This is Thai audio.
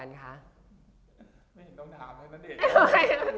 ไม่เห็นต้องถามณเดชน์